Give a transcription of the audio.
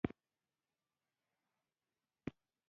افغانانو تر اوږده مهال پر هند واکمني وکړه.